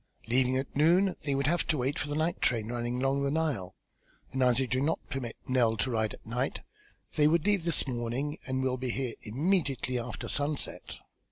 Leaving at noon they would have to wait for the night train running along the Nile, and as I do not permit Nell to ride at night, they would leave this morning and will be here immediately after sunset."